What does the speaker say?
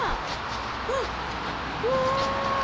あっうわ！